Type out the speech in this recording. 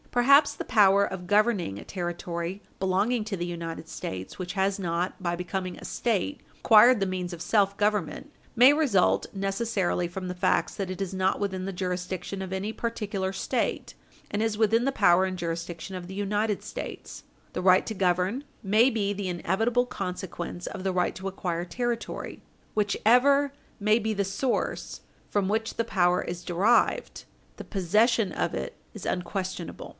Perhaps the power of governing a Territory belonging to the United States which has not, by becoming a State, acquired the means of self government may result necessarily from the facts that it is not within the jurisdiction of any particular Page 60 U. S. 443 State, and is within the power and jurisdiction of the United States. The right to govern may be the inevitable consequence of the right to acquire territory. Whichever may be the source from which the power is derived, the possession of it is unquestionable."